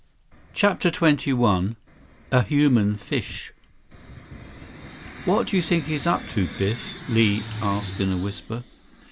166 CHAPTER XXI A Human Fish "What do you think he is up to, Biff?" Li asked in a whisper.